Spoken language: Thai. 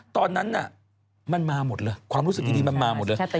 ตอนนั้นน่ะมันมาหมดเลยความรู้สึกดีมันมาหมดเลย